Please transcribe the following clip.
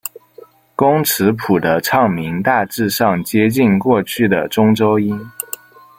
工尺谱的唱名大致上接近过去的中州音。